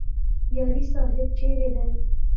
یاري صاحب چیرې دی؟